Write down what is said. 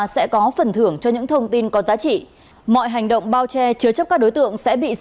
xin chào các bạn